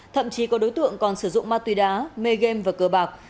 thậm chí có đối tượng còn sử dụng ma túy đá mê game và cờ bạc